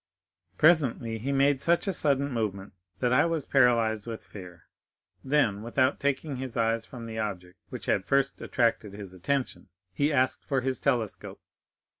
Presently he made such a sudden movement that I was paralyzed with fear. Then, without taking his eyes from the object which had first attracted his attention, he asked for his telescope.